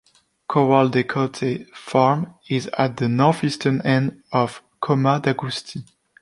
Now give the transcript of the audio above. Corral de Cotet farm is at the north-eastern end of Coma d'Agustí.